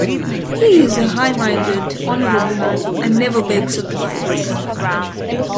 He is a high minded, honorable man and never begs of the whites.